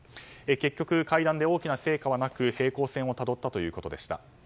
結局、会談で大きな成果はなく平行線をたどったということでした。